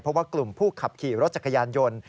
เพราะว่ากลุ่มผู้ขับขี่รถจักรยานยนต์